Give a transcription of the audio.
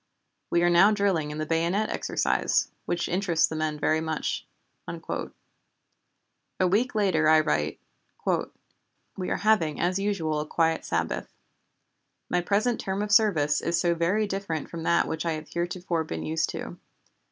We are now drilling in the bayonet exercise, which interests the men very much." A week later I write: "We are having as usual a quiet Sabbath. My present term of service is so very different from that which I have heretofore been used to.